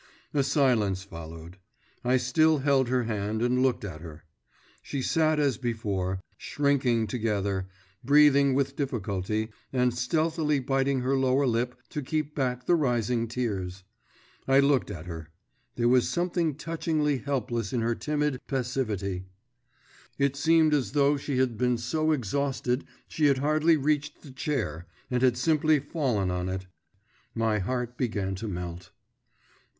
A silence followed. I still held her hand and looked at her. She sat as before, shrinking together, breathing with difficulty, and stealthily biting her lower lip to keep back the rising tears.… I looked at her; there was something touchingly helpless in her timid passivity; it seemed as though she had been so exhausted she had hardly reached the chair, and had simply fallen on it. My heart began to melt.